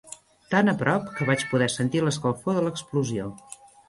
Tan a prop que vaig poder sentir l'escalfor de l'explosió